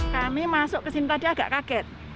kami masuk ke sini tadi agak kaget